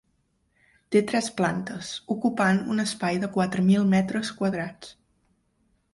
Té tres plantes, ocupant un espai de quatre mil metres quadrats.